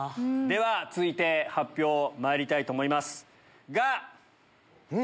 続いて発表まいりたいと思います。